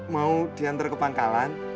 mau diantar ke pangkalan